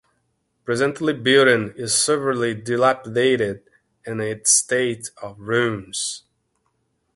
Presently building is severely dilapidated and in state of ruins.